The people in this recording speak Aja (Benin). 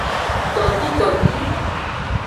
Togbitogbi.